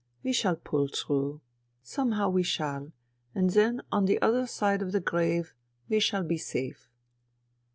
" We shall pull through ; some how we shall ; and then on the other side of the grave we shall be safe."